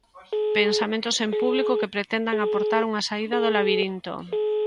Pensamentos en público que pretendan aportar unha saída do labirinto.